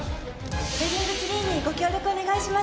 ウェディングツリーにご協力お願いします。